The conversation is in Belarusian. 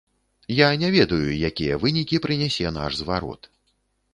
Я не ведаю, якія вынікі прынясе наш зварот.